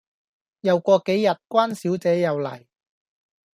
又過幾日，關小姐又黎